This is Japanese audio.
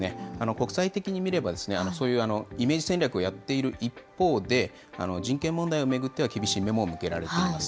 国際的に見れば、そういうイメージ戦略をやっている一方で、人権問題を巡っては、厳しい目も向けられています。